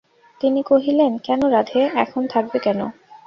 তিনি কহিলেন, কেন রাধে, এখন থাকবে কেন?